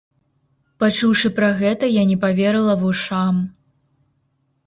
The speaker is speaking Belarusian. Пачуўшы пра гэта, я не паверыла вушам.